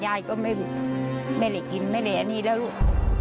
ยายก็ไม่ได้กินไม่ได้อันนี้แล้วลูก